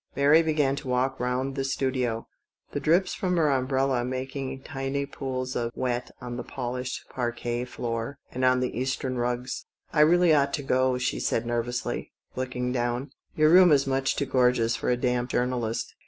Mary began to walk round the studio, the drips from her waterproof making tiny pools of wet on the polished parquet floor and on the Eastern rugs. " I really ought to go," she said nervously, looking down; "your room is much too gorgeous for a damp journalist."